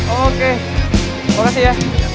oke terima kasih ya